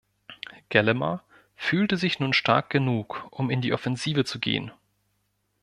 Gelimer fühlte sich nun stark genug, um in die Offensive zu gehen.